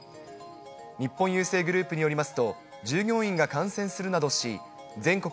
日本郵政グループによりますと、従業員が感染するなどし、全国